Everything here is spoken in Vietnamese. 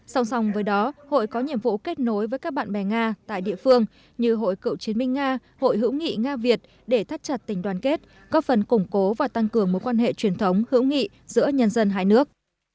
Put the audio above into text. song song với đó hội có nhiệm vụ kết nối với các bạn bè nga tại địa phương như hội cựu chiến binh nga hội hữu nghị nga việt để thắt chặt tình đoàn kết có phần củng cố và tăng cường mối quan hệ truyền thống hữu nghị giữa nhân dân hai nước